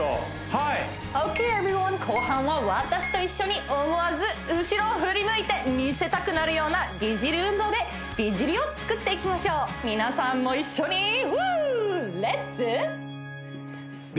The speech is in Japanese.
はいＯＫｅｖｅｒｙｏｎｅ後半は私と一緒に思わず後ろを振り向いて見せたくなるような美尻運動で美尻を作っていきましょう皆さんも一緒にフ